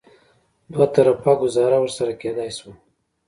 دوه طرفه ګوزاره ورسره کېدای شوه.